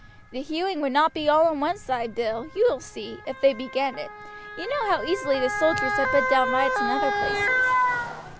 "The hewing would not be all on one side, Bill, you will see, if they begin it. You know how easily the soldiers have put down riots in other places."